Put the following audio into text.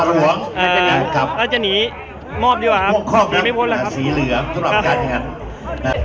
พอได้ครับพอได้ครับพอได้ครับพอได้ครับพอได้ครับพอได้ครับพอได้ครับ